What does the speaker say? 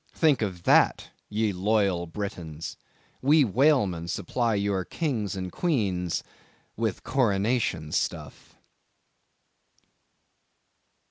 Think of that, ye loyal Britons! we whalemen supply your kings and queens with coronation stuff!